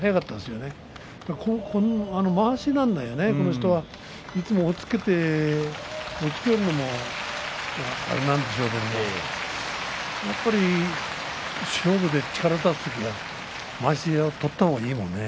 まわしなんだよね、この人は。いつも押っつけるのもあれなんでしょうけれども勝負で力を出す時はまわしを取った方がいいもんね。